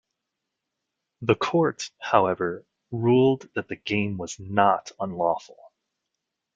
The court, however, ruled that the game was "not" unlawful.